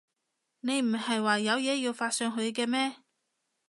你唔喺話有嘢要發上去嘅咩？